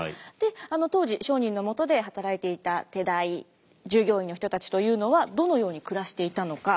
当時商人のもとで働いていた手代従業員の人たちというのはどのように暮らしていたのか？